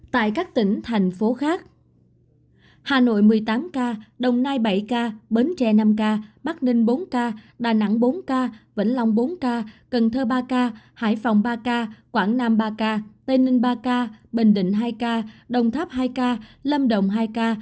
tại các tỉnh thành phố khác hà nội một mươi tám ca đồng nai bảy ca bến tre năm ca bắc ninh bốn ca đà nẵng bốn ca vĩnh long bốn ca cần thơ ba ca hải phòng ba ca quảng nam ba ca tây ninh ba ca bình định hai ca đồng tháp hai ca lâm đồng hai ca